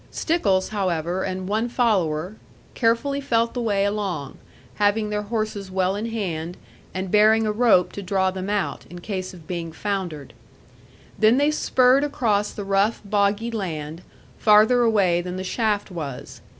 Stickles, however, and one follower, carefully felt the way along, having their horses well in hand, and bearing a rope to draw them out, in case of being foundered. Then they spurred across the rough boggy land, farther away than the shaft was.